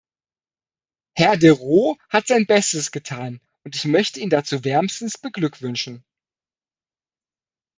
Herr de Roo hat sein Bestes getan, und ich möchte ihn dazu wärmstens beglückwünschen.